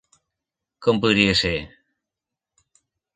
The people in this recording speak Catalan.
Com podria ser?